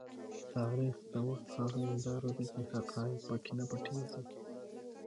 تاریخ د وخت هغه هنداره ده چې حقایق په کې نه پټیږي.